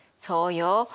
そうよ。